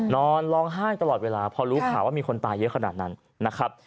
นอนร้องไห้ตลอดเวลาพอรู้ข่าวว่ามีคนตายเยอะขนาดนั้นนะครับ